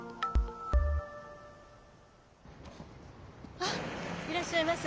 あっいらっしゃいませ。